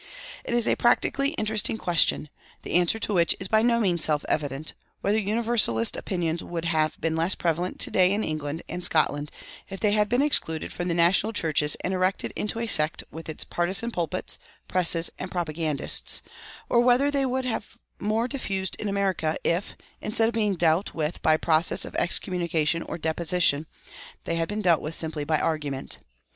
It is a practically interesting question, the answer to which is by no means self evident, whether Universalist opinions would have been less prevalent to day in England and Scotland if they had been excluded from the national churches and erected into a sect with its partisan pulpits, presses, and propagandists; or whether they would have more diffused in America if, instead of being dealt with by process of excommunication or deposition, they had been dealt with simply by argument.